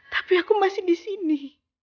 tapi aku masih disini